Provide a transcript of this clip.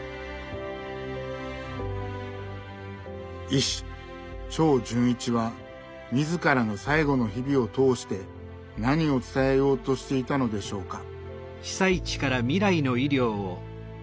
医師・長純一は自らの最期の日々を通して何を伝えようとしていたのでしょうか。